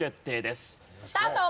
スタート！